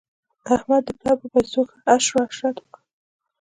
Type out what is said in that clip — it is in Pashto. احمد د پلا په پیسو ښه عش عشرت وکړ.